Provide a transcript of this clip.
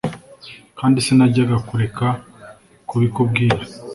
kandi sinajyaga kureka kubikubwira"